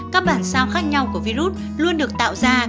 các bản sao khác nhau của virus luôn được tạo ra